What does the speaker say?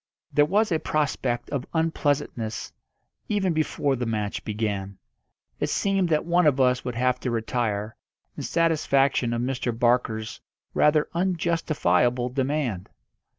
There was a prospect of unpleasantness even before the match began. It seemed that one of us would have to retire, in satisfaction of Mr. Barker's rather unjustifiable demand.